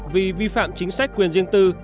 vì vi phạm chính sách quyền riêng tư